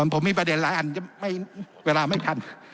ผมมีประเด็นหลายอันเวลาไม่ทัน